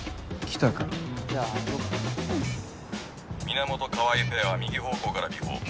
源川合ペアは右方向から尾行。